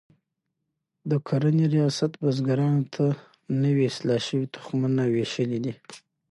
د کرنې ریاست بزګرانو ته نوي اصلاح شوي تخمونه ویشلي دي.